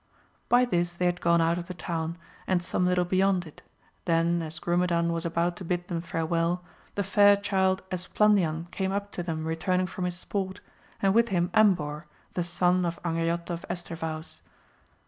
By this they had gone out of the town and some little beyond it, then as Grumedan was about to bid them farewell, the fair child Esplandian came up to them returning from his sport, and with him Ambor, the son of Angriote of Estravaus.